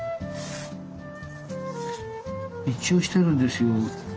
一応してるんですよ。